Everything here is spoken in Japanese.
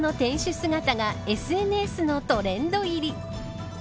姿がＳＮＳのトレンド入り。